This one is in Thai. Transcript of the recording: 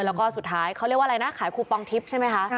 แล้วก็สุดท้ายเขาเรียกว่าอะไรนะขายคูปองทิพย์ใช่ไหมคะ